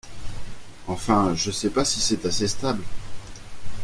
Enfin… je sais pas si c’est assez stable…